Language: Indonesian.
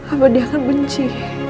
apa dia akan benci